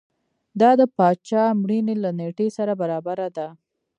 دا د پاچا مړینې له نېټې سره برابره ده.